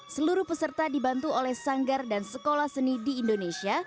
seluruh peserta dibantu oleh sanggar dan sekolah seni di indonesia